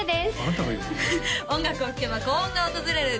音楽を聴けば幸運が訪れる